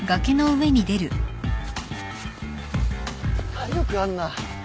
体力あんな。